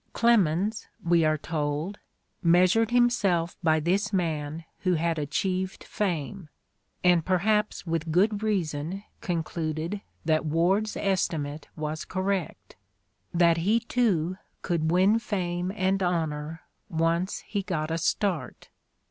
"Clemens," we are told, "measured himself by this man who had achieved fame, and perhaps with good reason concluded that Ward's estimate was correct, that he too could win fame and honor, once he got a start."